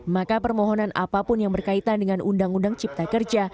maka permohonan apapun yang berkaitan dengan undang undang cipta kerja